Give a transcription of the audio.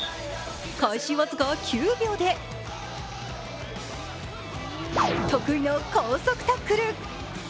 開始僅か９秒で得意の高速タックル。